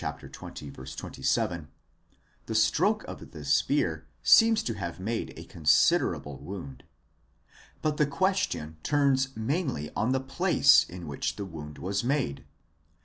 27), the stroke of the spear seems to have made a considerable wound. But the question turns mainly on the place in which the wound was made.